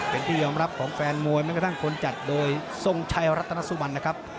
เป็นที่ยอมรับของแฟนมวยโดยจัดจากทรงชายราตนสุมันนะครับ